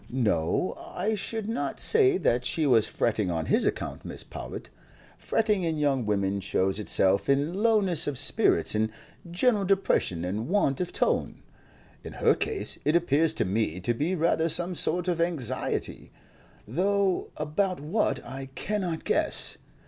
"No, I should not say that she was fretting on his account, Mrs. Powlett. Fretting in young women shows itself in lowness of spirits and general depression and want of tone. In her case it appears to me to be rather some sort of anxiety, though about what I cannot guess.